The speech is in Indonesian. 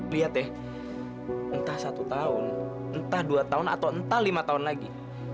lihat ya entah satu tahun entah dua tahun atau entah lima tahun lagi